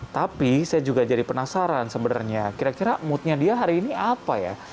tapi saya juga jadi penasaran sebenarnya kira kira moodnya dia hari ini apa ya